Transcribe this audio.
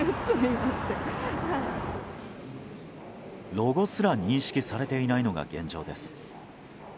ロゴすら認識されていないのが現状です。